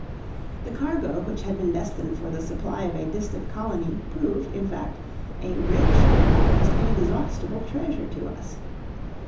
The cargo, which had been destined for the supply of a distant colony, proved, in fact, a rich and almost inexhaustible treasure to us.